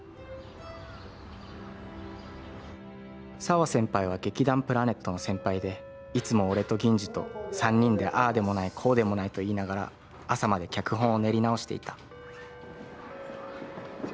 「サワ先輩は劇団プラネットの先輩で、いつも俺とギンジと、三人でああでもないこうでもないと言いながら朝まで脚本を練り直していた」。